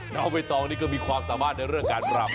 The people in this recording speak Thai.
น้องใบตองนี่ก็มีความสามารถในเรื่องการรำ